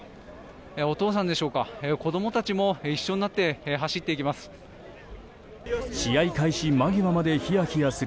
お父さんでしょうか子供たちも一緒になって走っていきます。